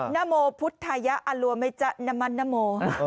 นัมโมพุทธัยะอรัวมัยจะนามันนัมโม